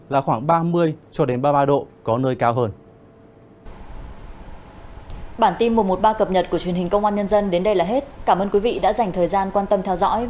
là khoảng ba mươi ba mươi ba độ có nơi cao hơn